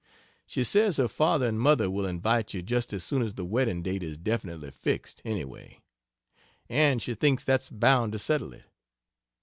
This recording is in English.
She says her father and mother will invite you just as soon as the wedding date is definitely fixed, anyway & she thinks that's bound to settle it.